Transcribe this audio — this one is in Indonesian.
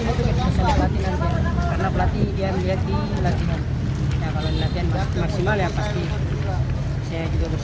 saya ingin mempercayai starting kali ini